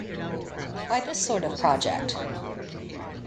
Why this sort of project?